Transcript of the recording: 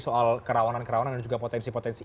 soal kerawanan kerawanan dan juga potensi potensi